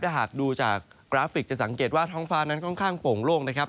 ถ้าหากดูจากกราฟิกจะสังเกตว่าท้องฟ้านั้นค่อนข้างโป่งโล่งนะครับ